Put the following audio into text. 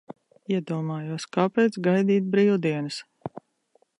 Iedomājos, kāpēc gaidīt brīvdienas?